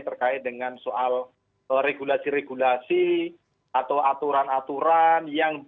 terkait dengan soal regulasi regulasi atau aturan aturan yang